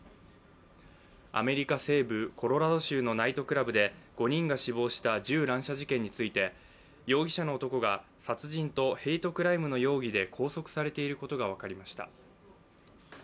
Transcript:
アメリカ西部コロラド州のナイトクラフで５人が死亡した銃乱射事件について容疑者の男が殺人とヘイトクライムの容疑で拘束されていることが分かりました。